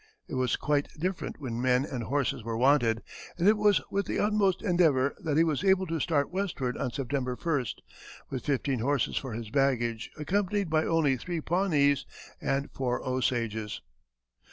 It was quite different when men and horses were wanted, and it was with the utmost endeavor that he was able to start westward on September 1st, with fifteen horses for his baggage, accompanied by only three Pawnees and four Osages.